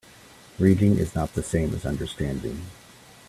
Reading is not the same as understanding.